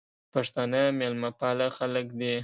پښتانه میلمه پاله خلک دي